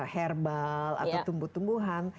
herbal atau tumbuh tumbuhan